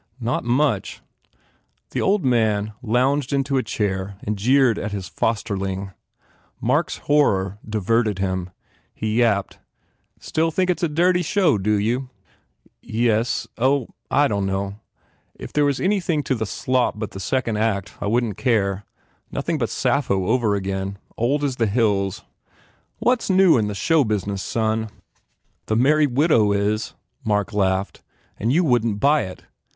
"Not much!" The old man lounged into a chair and jeered at his fosterling. Mark s horror diverted him. He yapped, "Still think it s a dirty show, do you?" "Yes. ... Oh, dunno! If there was any thing to the slop but that second act, I wouldn t care. Nothing but Sappho over again. Old as the hills." "What s new in the show business, son?" "The Merry Widow is," Mark laughed, "and you wouldn t buy it.